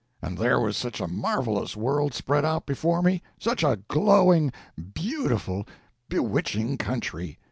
And there was such a marvellous world spread out before me—such a glowing, beautiful, bewitching country.